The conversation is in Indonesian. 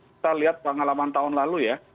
kita lihat pengalaman tahun lalu ya